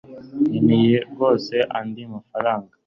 nkeneye rwose andi mafaranga